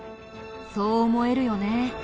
そう思えるよね。